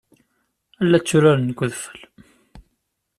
La tturaren deg udfel.